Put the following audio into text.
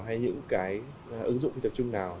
hay những cái ứng dụng phi tập trung nào